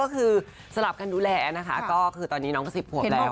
ก็คือสลับกันดูแลนะคะก็คือตอนนี้น้องก็๑๐ขวบแล้ว